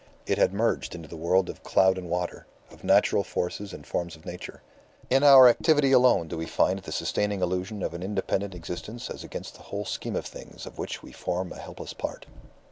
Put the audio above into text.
It had merged into the world of cloud and water, of natural forces and forms of nature. In our activity alone do we find the sustaining illusion of an independent existence as against the whole scheme of things of which we form a helpless part.